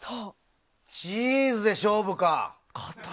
チーズで勝負か。